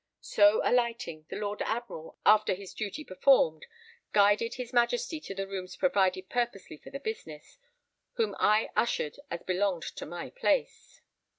So alighting, the Lord Admiral, after his duty performed, guided his Majesty in the rooms provided purposely for the business, whom I ushered as belonged to my place.